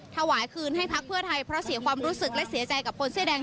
ถวายคืนให้พักเพื่อไทยเพราะเสียความรู้สึกและเสียใจกับคนเสื้อแดง